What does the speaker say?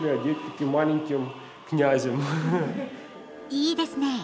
いいですね。